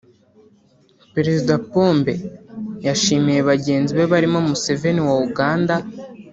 Perezida Pombe yashimiye bagenzi be barimo Museveni wa Uganda